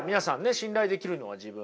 信頼できるのは自分。